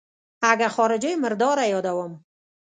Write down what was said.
اگه خارجۍ مرداره يادوم.